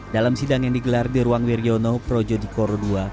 dalam sidang yang digelar di ruang wirjono projo di koro ii